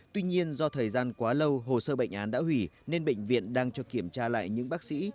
tuy nhiên do thời gian quá lâu hồ sơ bệnh án đã hủy nên bệnh viện đang cho kiểm tra lại những bác sĩ